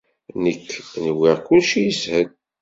Nekk nwiɣ kulci yeshel.